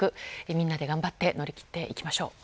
みんなで頑張って乗り切っていきましょう。